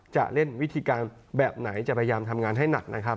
จะเล่นวิธีการแบบไหนจะพยายามทำงานให้หนักนะครับ